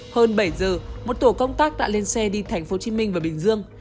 hơn bảy giờ một tổ công tác đã lên xe đi tp hcm và bình dương